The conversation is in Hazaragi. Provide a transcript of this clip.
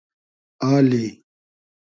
آلی